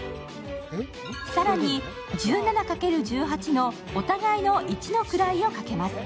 更に、１７×１８のお互いの１の位を掛けます。